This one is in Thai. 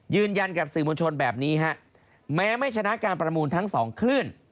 ยืนยันกับสื่อมวลชนแบบนี้ฮะแม้ไม่ชนะการประมูลทั้งสองคลื่น